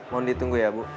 mohon ditunggu ya bu